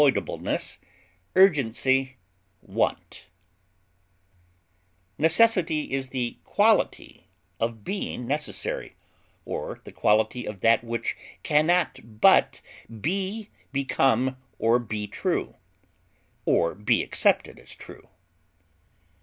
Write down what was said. extremity, requirement, Necessity is the quality of being necessary, or the quality of that which can not but be, become, or be true, or be accepted as true.